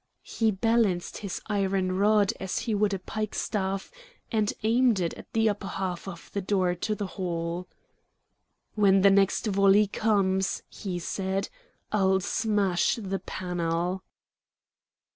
He balanced his iron rod as he would a pikestaff, and aimed it at the upper half of the door to the hall. "When the next volley comes," he said, "I'll smash the panel."